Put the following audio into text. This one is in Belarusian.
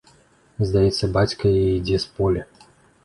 Здаецца, бацька яе ідзе з поля!